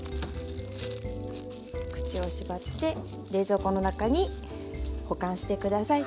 口を縛って冷蔵庫の中に保管して下さい。